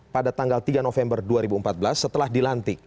pada tanggal tiga november dua ribu empat belas setelah dilantik